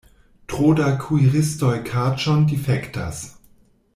Tro da kuiristoj kaĉon difektas.